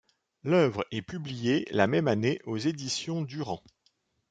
L'œuvre est publiée la même année aux éditions Durand.